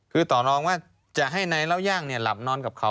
คือต่อรองว่าจะให้นายเล่าย่างหลับนอนกับเขา